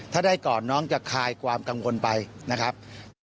ถ้าได้ก่อนน้องจะคลายความกังวลไปนะครับ